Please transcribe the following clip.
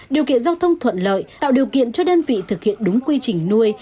điều kiện giao thông thuận lợi tạo điều kiện cho đơn vị thực hiện đúng quy trình nuôi